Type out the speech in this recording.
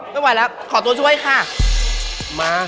ไม่ไหวแล้วขอตัวช่วยค่ะมา